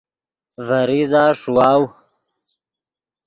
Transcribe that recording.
ڤے ریزہ ݰیواؤ